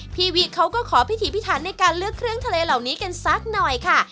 พี่วิเขาก็ขอพิถีพิถันในการเลือกเครื่องทะเลเหล่านี้กันสักหน่อยค่ะ